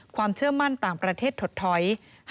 ความเชื่อมั่นต่างประเทศถดถอย